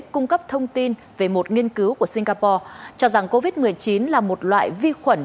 cung cấp thông tin về một nghiên cứu của singapore cho rằng covid một mươi chín là một loại vi khuẩn